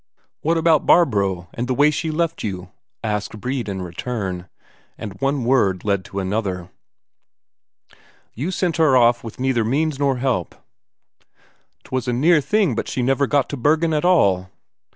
"What about Barbro, and the way she left you?" asked Brede in return. And one word led to another: "You sent her off with neither help nor means, 'twas a near thing but she never got to Bergen at all."